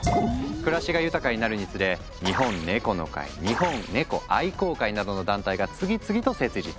暮らしが豊かになるにつれ「日本ネコの会」「日本猫愛好会」などの団体が次々と設立。